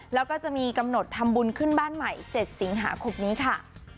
แล้วก็จะมีกำหนดทำบุญขึ้นบ้านใหม่๗สิงหาคมนี้ค่ะ